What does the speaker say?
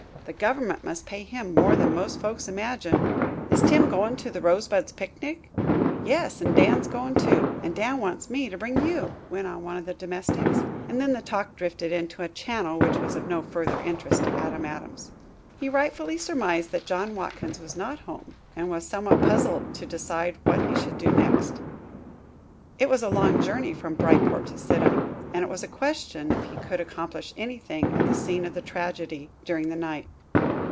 The government must pay him more than most folks imagine." "Is Tim goin' to the Rosebud's picnic?" "Yes, and Dan's goin' too, and Dan wants me to bring you," went on one of the domestics, and then the talk drifted into a channel which was of no further interest to Adam Adams. He rightfully surmised that John Watkins was not home and was somewhat puzzled to decide what he should do next. It was a long journey from Bryport to Sidham, and it was a question if he could accomplish anything at the scene of the tragedy during the night.